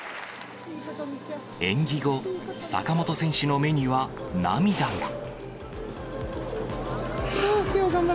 演技後、坂本選手の目には涙が。